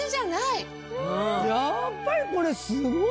やっぱりこれすごいな！